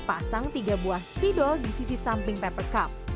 pasang tiga buah spidol di sisi samping paper cup